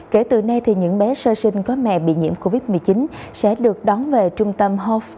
kể từ nay những bé sơ sinh có mẹ bị nhiễm covid một mươi chín sẽ được đón về trung tâm hoff